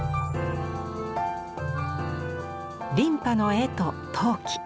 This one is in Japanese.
琳派の絵と陶器。